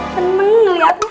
siti masih seneng liat